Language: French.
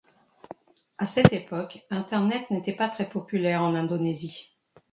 À cette époque, Internet n'était pas très populaire en Indonésie.